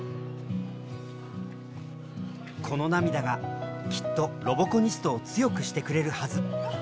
この涙がきっとロボコニストを強くしてくれるはず。